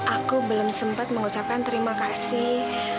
aku belum sempat mengucapkan terima kasih